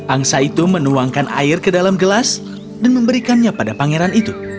angsa itu menuangkan air ke dalam gelas dan memberikannya pada pangeran itu